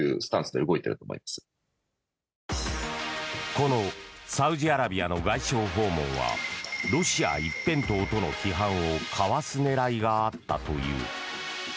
このサウジアラビアの外相訪問はロシア一辺倒との批判をかわす狙いがあったという。